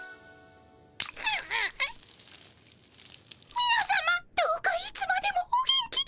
みなさまどうかいつまでもお元気で。